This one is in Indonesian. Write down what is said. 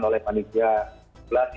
oleh panitia blasi